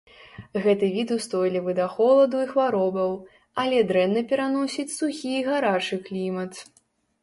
Гэты від устойлівы да холаду і хваробаў, але дрэнна пераносіць сухі і гарачы клімат.